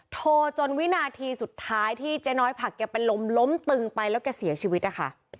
โทรจนวินาทีสุดท้ายที่เจ๊น้อยผักแกเป็นลมล้มตึงไปแล้วแกเสียชีวิตนะคะ